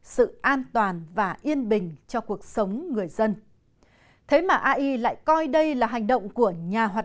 sự an toàn và yên bình cho cuộc sống người dân thế mà ai lại coi đây là hành động của nhà hoạt